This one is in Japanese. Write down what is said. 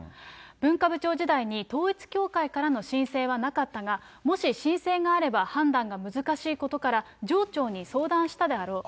文化部長時代に、統一教会からの申請はなかったが、もし申請があれば、判断が難しいことから、上長に相談したであろう。